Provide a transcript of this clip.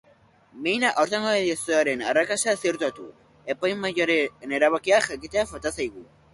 Behin aurtengo edizioaren arrakasta ziurtatu, epaimahaiaren erabakia jakitea falta zaigu.